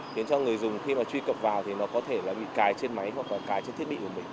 khiến cho người dùng khi mà truy cập vào thì nó có thể là bị cài trên máy hoặc là cài trên thiết bị của mình